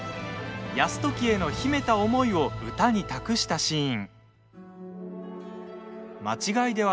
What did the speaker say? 泰時への秘めた思いを歌に託したシーン。